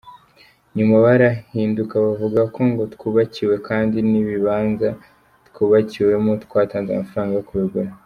Nyuma barahinduka bavuga ko ngo twubakiwe, kandi n’ibibanza twubakiwemo twatanze amafaranga yo kubigura.